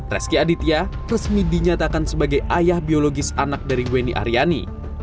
reski aditya resmi dinyatakan sebagai ayah biologis anak dari weni aryani